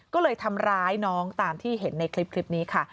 ก็เลยทำร้ายน้องตามที่เห็นในคลิปนี้ค่ะ